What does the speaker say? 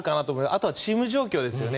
あとはチーム状況ですよね。